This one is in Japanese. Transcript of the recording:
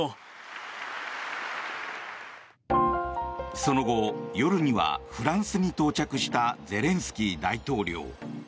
その後、夜にはフランスに到着したゼレンスキー大統領。